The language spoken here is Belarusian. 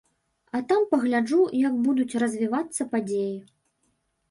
А там пагляджу, як будуць развівацца падзеі.